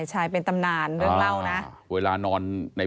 ใช่เป็นตำนานเรื่องเรานะ